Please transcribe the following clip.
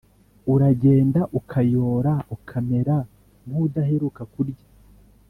Uragenda ukayora ukamera nkudaheruka kurya